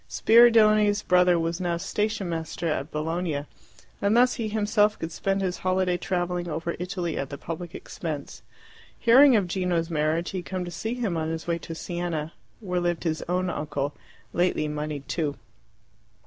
Spiridione's brother was now station master at Bologna, and thus he himself could spend his holiday travelling over Italy at the public expense. Hearing of Gino's marriage, he had come to see him on his way to Siena, where lived his own uncle, lately monied too.